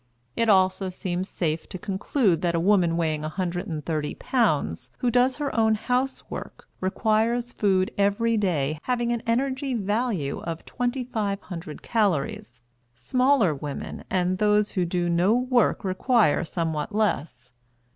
It also seems safe to conclude that a woman weighing 130 pounds who does her own housework requires food every day having an energy value of 2,500 calories; smaller women and those who do no work require somewhat less.